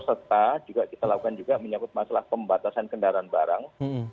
serta kita lakukan juga menyakut masalah pembatasan kendaraan barang